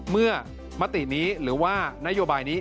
เมื่อมตินี้หรือว่านโยบายนี้